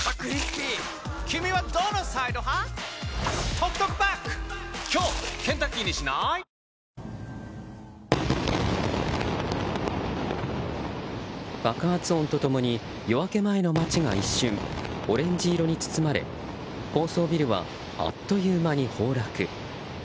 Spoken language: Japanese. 眠くなる成分無配合ぴんぽん爆発音と共に夜明け前の街が一瞬オレンジ色に包まれ高層ビルはあっという間に崩落。